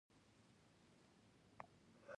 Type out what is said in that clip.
دا حقونه رسېدلي ملتونه لرل